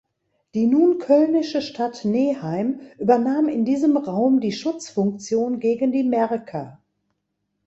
Die nun kölnische Stadt Neheim übernahm in diesem Raum die Schutzfunktion gegen die Märker.